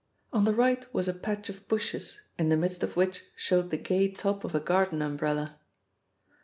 On the right was a patch of bushes, in the midst of which showed the gay top of a garden umbrella.